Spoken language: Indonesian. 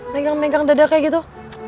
megang megang dada kayak gitu